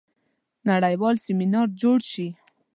نړیوال سیمینار جوړ شي.